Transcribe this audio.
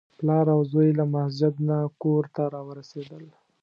پلار او زوی له مسجد نه کور ته راورسېدل.